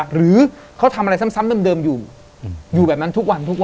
หรือเขาทำอะไรซ้ำเดิมอยู่อยู่แบบนั้นทุกวันทุกวัน